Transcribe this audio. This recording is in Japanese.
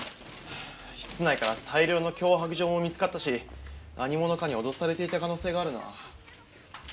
室内から大量の脅迫状も見つかったし何者かに脅されていた可能性があるな。